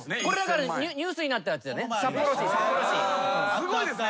すごいですね。